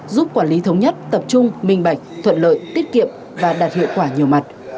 giúp quản lý thống nhất tập trung minh bạch thuận lợi tiết kiệm và đạt hiệu quả nhiều mặt